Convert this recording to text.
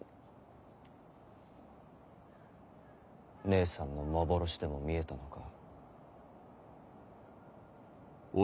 姉さんの幻でも見えたのか？